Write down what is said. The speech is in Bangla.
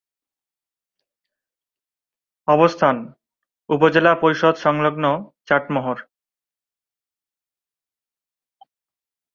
অবস্থান: উপজেলা পরিষদ সংলগ্ন চাটমোহর।